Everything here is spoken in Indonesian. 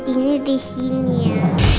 ini di sini ya